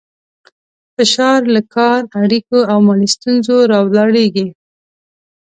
فشار له کار، اړیکو او مالي ستونزو راولاړېږي.